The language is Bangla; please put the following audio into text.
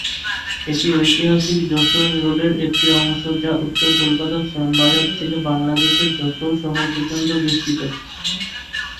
এটি ঐতিহাসিক যশোর রোডের একটি অংশ যা উত্তর কলকাতার শ্যামবাজার থেকে বাংলাদেশের যশোর শহর পর্যন্ত বিস্তৃত।